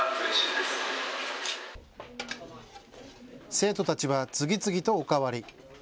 生徒たちは次々とお代わり。